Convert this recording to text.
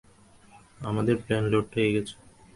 আমাদের plane load করা হয়ে গেছে।